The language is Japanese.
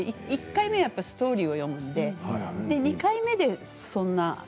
１回目はストーリーを読むんで２回目でそんな感じですね。